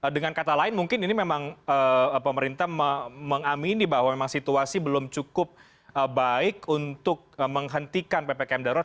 dengan kata lain mungkin ini memang pemerintah mengamini bahwa memang situasi belum cukup baik untuk menghentikan ppkm darurat